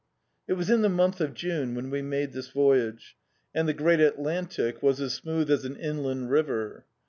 It was in the month of June, when we made this voyage, and the great Atlantic was as smooth as an inland river.